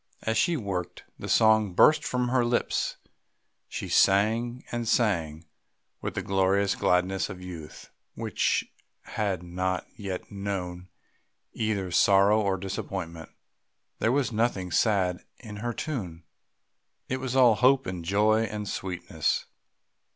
As she worked the song burst from her lips; she sang and sang, with the glorious gladness of youth which has not yet known either sorrow or disappointment. There was nothing sad in her tune, it was all hope and joy and sweetness.